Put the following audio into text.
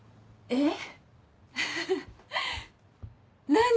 えっ？